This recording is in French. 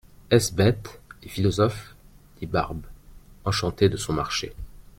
Est-ce bête, les philosophes ! dit Barbe, enchantée de son marché.